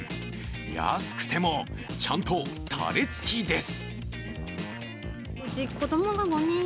安くても、ちゃんとタレ付きです。